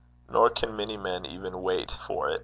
Nor can many men even wait for it.